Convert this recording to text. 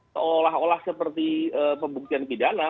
seolah olah seperti pembuktian pidana